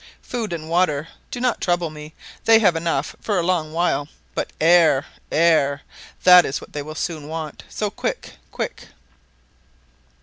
Food and water do not trouble me; they have enough for a long while. But air, air, that is what they will soon want; so quick, quick!"